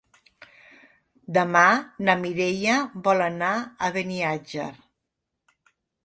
Demà na Mireia vol anar a Beniatjar.